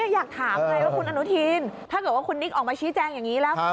อยากถามไงว่าคุณอนุทินถ้าเกิดว่าคุณนิกออกมาชี้แจงอย่างนี้แล้ว